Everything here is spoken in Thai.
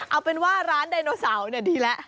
เอาเป็นว่าร้านดึกดำบานรูปไดโนเสาดีแล้ว